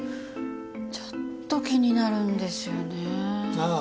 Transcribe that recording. ちょっと気になるんですよね。